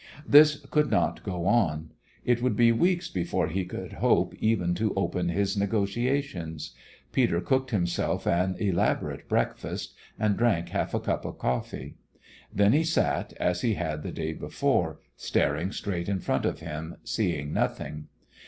This could not go on. It would be weeks before he could hope even to open his negotiations. Peter cooked himself an elaborate breakfast and drank half a cup of coffee. Then he sat, as he had the day before, staring straight in front of him, seeing nothing.